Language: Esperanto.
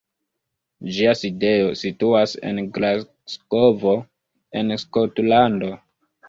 Ĝia sidejo situas en Glasgovo, en Skotlando.